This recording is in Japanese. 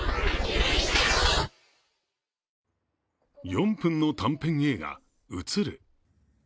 ４分の短編映画「ウツル」。